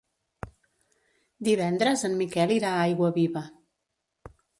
Divendres en Miquel irà a Aiguaviva.